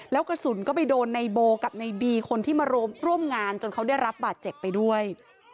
แล้วกระสุนก็ไปโดนในโบกับในบีคนที่มาร่วมงานจนเขาได้รับบาดเจ็บไปด้วย